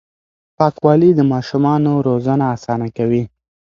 پاکوالي د ماشومانو روزنه اسانه کوي.